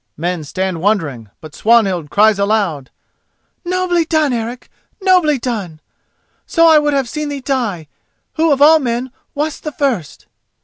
Men stand wondering, but Swanhild cries aloud: "Nobly done, Eric! nobly done! So I would have seen thee die who of all men wast the first!"